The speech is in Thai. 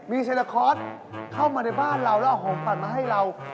มีเซลคอร์สเข้ามาในบ้านเราแล้วเอาของปั่นมาให้เรา